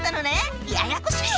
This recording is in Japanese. ややこしいわ！